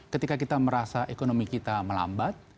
ketika kita merasa ekonomi kita melambat